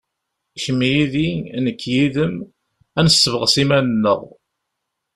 Kemm yid-i, nekk yid-m, ad nessebɣes iman-nneɣ.